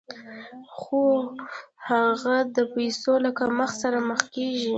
خو هغه د پیسو له کمښت سره مخامخ کېږي